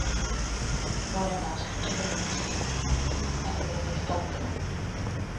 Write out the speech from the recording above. মনের মাঝখানটাতে তুমি ছিলে, একেবারে নিস্তব্ধ।